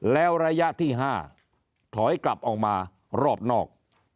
แล้วระยะที่๕ถอยกลับออกมารอบนอก